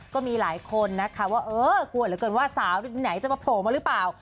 ก็มีหลายคนนะคะว่าเออกลัวเหลือเกินว่าสาวไหนจะมาโผล่มาหรือเปล่า